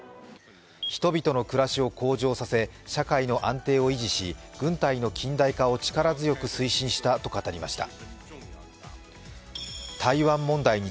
人々の暮らしを向上させ社会の安定を維持し軍隊の近代化を力強く推進したと語りました。